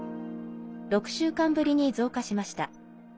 ６週間ぶりに増加しました。